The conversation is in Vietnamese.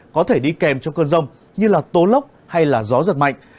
có thể đi kèm trong cơn rông như là tố lốc hay là gió giật mạnh